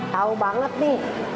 tau banget nih